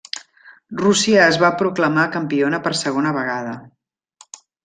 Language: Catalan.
Rússia es va proclamar campiona per segona vegada.